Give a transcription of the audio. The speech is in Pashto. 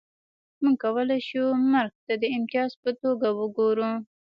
موږ کولای شو مرګ ته د امتیاز په توګه وګورو